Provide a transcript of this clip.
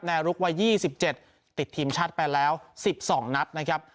แนรุกวัยยี่สิบเจ็ดติดทีมชัดไปแล้วสิบสองนัดนะครับ